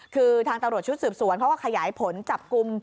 คือทางตำรวจชุดสืบสวนเขาก็ขยายผลจับกลุ่ม